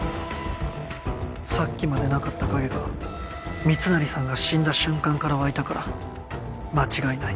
さっきまでなかった影が密成さんが死んだ瞬間から湧いたから間違いない。